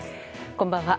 こんばんは。